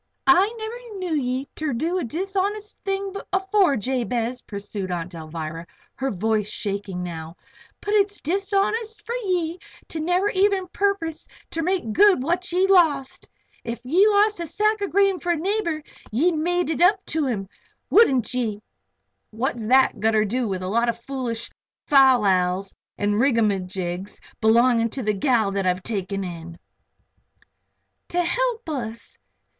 "I never knew ye ter do a dishonest thing afore, Jabez," pursued Aunt Alvirah, with her voice shaking now. "But it's dishonest for ye to never even perpose ter make good what ye lost. If you'd lost a sack of grain for a neighbor ye'd made it up to him; wouldn't ye?" "What's thet gotter do with a lot of foolish fal lals an' rigamagigs belonging to a gal that I've taken in " "To help us.